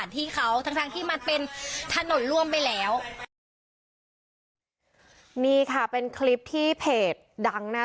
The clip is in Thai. นี่ค่ะเป็นคลิปที่เพจดังนะ